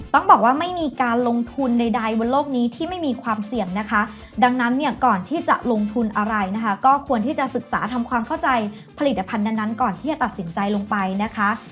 ต้องบอกว่าไม่มีการลงทุนใดบนโลกนี้ที่ไม่มีความเสี่ยงนะคะดังนั้นเนี่ยก่อนที่จะลงทุนอะไรนะคะก็ควรที่จะศึกษาทำความเข้าใจผลิตภัณฑ์นั้นก่อนที่จะตัดสินใจลงไปนะคะ